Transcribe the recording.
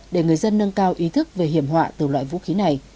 để người dân nâng cao ý thức về hiểm họa từ loại vũ khí này